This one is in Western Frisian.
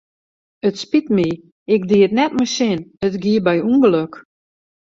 It spyt my, ik die it net mei sin, it gie by ûngelok.